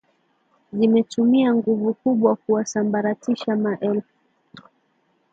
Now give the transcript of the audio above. zimetumia nguvu kubwa kuwasambaratisha ma elfu